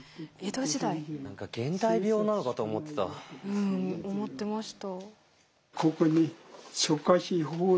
うん思ってました。